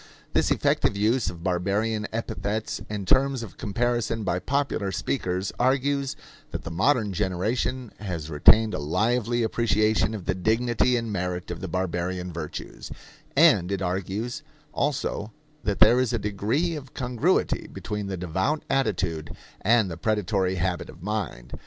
This effective use of barbarian epithets and terms of comparison by popular speakers argues that the modern generation has retained a lively appreciation of the dignity and merit of the barbarian virtues; and it argues also that there is a degree of congruity between the devout attitude and the predatory habit of mind.